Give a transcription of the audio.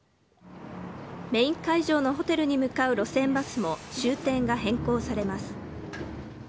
メイン会場のホテルに向かう路線バスも終点が変更されます。